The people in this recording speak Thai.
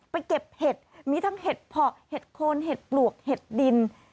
เก็บเห็ดมีทั้งเห็ดเพาะเห็ดโคนเห็ดปลวกเห็ดดิน